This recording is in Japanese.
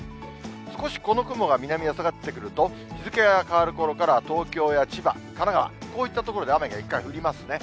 少しこの雲が南へ下がってくると、日付が変わるころから東京や千葉、神奈川、こういった所で雨が一回降りますね。